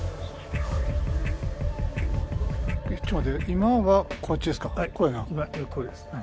今はこっちですか？